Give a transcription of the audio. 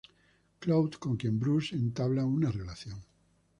Cloud con quien Bruce entabla una relación.